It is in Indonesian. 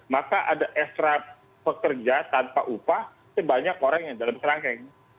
maka ada ekstrak pekerja tanpa upah itu banyak orang yang dalam kerangkang